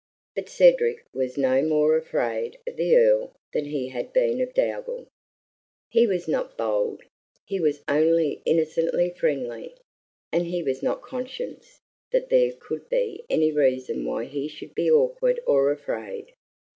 But Cedric was no more afraid of the Earl than he had been of Dougal. He was not bold; he was only innocently friendly, and he was not conscious that there could be any reason why he should be awkward or afraid.